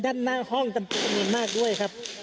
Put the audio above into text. ด้านหน้าห้องกันปกติมากด้วยครับ